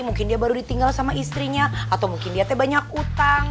mungkin dia baru ditinggal sama istrinya atau mungkin dia teh banyak utang